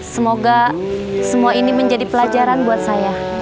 semoga semua ini menjadi pelajaran buat saya